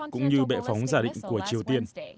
cũng như bệ phóng giả định của triều tiên